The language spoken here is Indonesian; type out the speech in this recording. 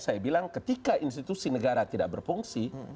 saya bilang ketika institusi negara tidak berfungsi